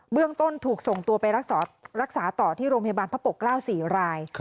เรื่องต้นถูกส่งตัวไปรักษาต่อที่โรงพยาบาลพระปกเกล้า๔ราย